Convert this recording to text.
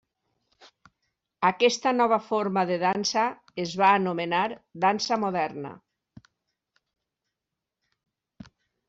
Aquesta nova forma de dansa es va anomenar dansa moderna.